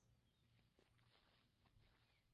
هو یقیناً هغه خپل لاس په بکس کې دننه کړ